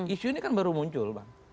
isu ini kan baru muncul bang